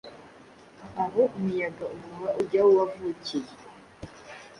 Aho umuyaga uhuha ujya aho wavukiye;